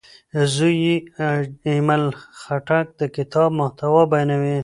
زوی یې ایمل خټک د کتاب محتوا بیانوي.